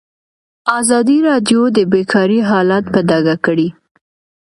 ازادي راډیو د بیکاري حالت په ډاګه کړی.